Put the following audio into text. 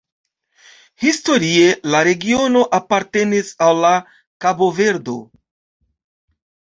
Historie la regiono apartenis al la Kabo-Verdo.